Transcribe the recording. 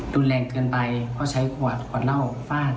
รุนแรงเกินไปก็ใช้ขวดขวดเหล้าฟาด